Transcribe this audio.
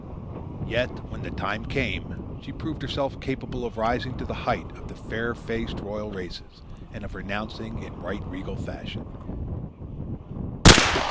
Yet, when the time came, she proved herself capable of rising to the height of the fair faced royal races and of renouncing in right regal fashion.